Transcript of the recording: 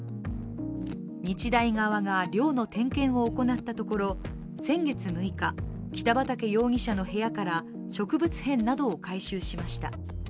日大側が寮の点検を行ったところ先月６日、北畠容疑者の部屋から植物片などを回収しました。